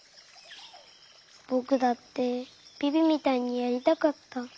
ぼくだってビビみたいにやりたかった。